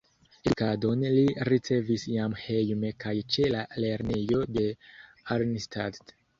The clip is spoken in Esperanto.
Edukadon li ricevis jam hejme kaj ĉe la lernejo de Arnstadt.